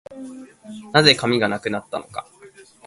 何故、紙がなくなったのか